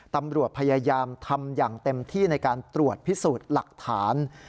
ตำรวจพยายามทำอย่างเต็มที่ในการตรวจพิสูจน์หลักฐาน